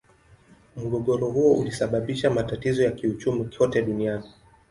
Mgogoro huo ulisababisha matatizo ya kiuchumi kote duniani.